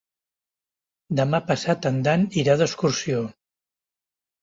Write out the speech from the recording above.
Demà passat en Dan irà d'excursió.